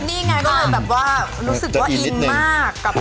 นี่ไงก็เลยแบบว่ารู้สึกว่าอินมาก